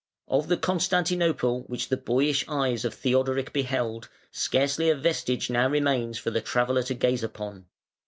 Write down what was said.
Of the Constantinople which the boyish eyes of Theodoric beheld, scarcely a vestige now remains for the traveller to gaze upon.